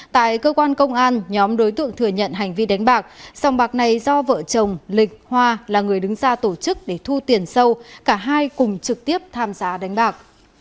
tại cơ quan công an nhóm đối tượng thừa nhận hành vi đánh bạc sòng bạc này do vợ chồng lịch hoa là người đứng ra tổ chức để thu tiền sâu cả hai cùng trực tiếp tham giá đánh bạc